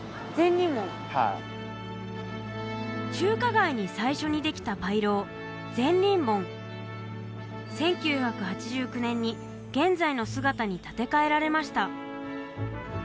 はい中華街に最初にできた牌楼善隣門１９８９年に現在の姿に建て替えられました